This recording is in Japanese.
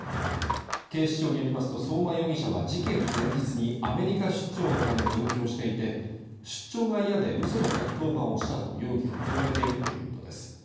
警視庁によりますと相馬容疑者は事件前日にアメリカ出張のため上京していて出張が嫌で嘘の１１０番をしたと容疑を認めているということです